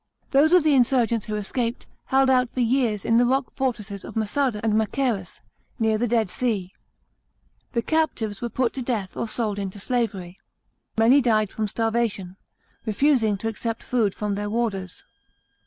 Those of the insurgents who escaped, held out lor years in the rock fortresses of Massada and Machajrus, near the Dead Sea. The captives were put to death or sold into slavery. Many died from starvation, refusing to accept food from their warders.